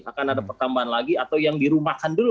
akan ada pertambahan lagi atau yang dirumahkan dulu